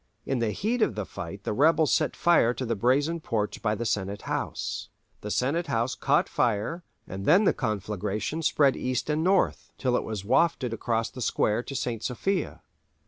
In the heat of the fight the rebels set fire to the Brazen Porch by the Senate House. The Senate House caught fire, and then the conflagration spread east and north, till it was wafted across the square to St. Sophia.